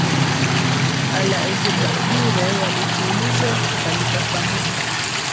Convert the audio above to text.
a la ingabire walituuliza tukalifafanua